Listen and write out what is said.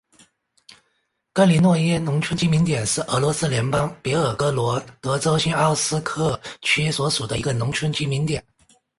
格林诺耶农村居民点是俄罗斯联邦别尔哥罗德州新奥斯科尔区所属的一个农村居民点。